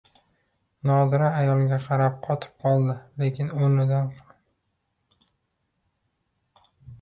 Nodira ayolga qarab qotib qoldi lekin o`rnidan qimirlamadi